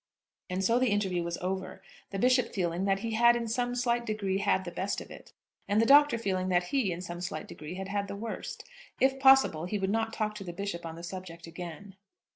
And so the interview was over, the Bishop feeling that he had in some slight degree had the best of it, and the Doctor feeling that he, in some slight degree, had had the worst. If possible, he would not talk to the Bishop on the subject again.